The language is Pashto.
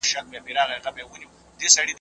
پوهانو پرمختیا په بېلابېلو لارو تعریف کړې ده.